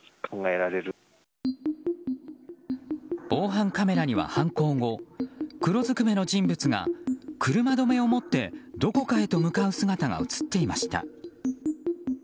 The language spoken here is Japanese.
防犯カメラには犯行後黒ずくめの人物が車止めを持ってどこかへと向かう姿が映っていました。